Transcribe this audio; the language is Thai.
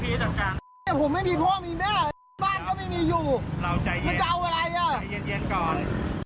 ว่าร้านล่ะเออใจเย็นก่อน